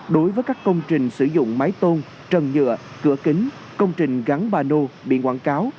đối với các công trình sử dụng máy tôn trần nhựa cửa kính công trình gắn ba nô biển quảng cáo